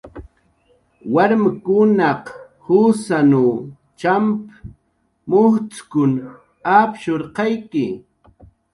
"Warmkunaq jusanw champ""a, mujcxkun apshurqayki"